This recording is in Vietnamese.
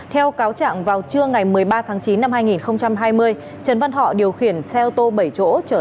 theo cáo trạng vào trưa ngày một mươi ba tháng chín năm hai nghìn hai mươi trần văn họ điều khiển xe ô tô bảy chỗ